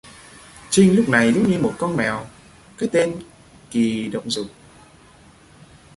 Trinh Lúc này giống như một con mèo cái tên kỳ động dục